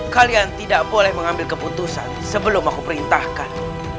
kalian tidak boleh mengambil keputusan sebelum aku perintahkan